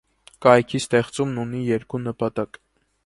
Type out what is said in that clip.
Կայքի ստեղծումն ունի երկու նպատակ։